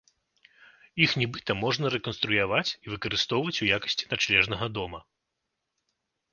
Іх нібыта можна рэканструяваць і выкарыстоўваць у якасці начлежнага дома.